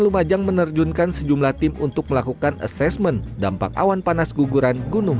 lumajang menerjunkan sejumlah tim untuk melakukan asesmen dampak awan panas guguran gunung